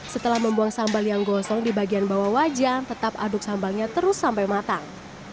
setelah membuang sambal yang gosong di bagian bawah wajan tetap aduk sambalnya terus sampai matang